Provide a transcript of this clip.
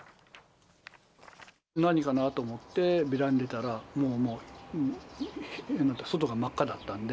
何かなと思ってベランダに出たら、もう、外が真っ赤だったんで。